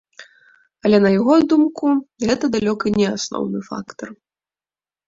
Але на яго думку, гэта далёка не асноўны фактар.